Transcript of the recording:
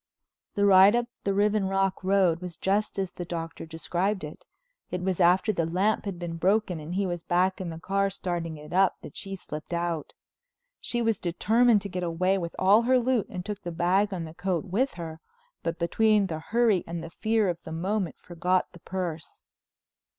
The ride up the Riven Rock Road was just as the Doctor described it. It was after the lamp had been broken and he was back in the car starting it up, that she slipped out. She was determined to get away with all her loot and took the bag and coat with her, but between the hurry and fear of the moment forgot the purse.